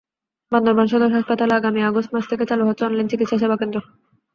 বান্দরবান সদর হাসপাতালে আগামী আগস্ট মাস থেকে চালু হচ্ছে অনলাইন চিকিৎসা সেবাকেন্দ্র।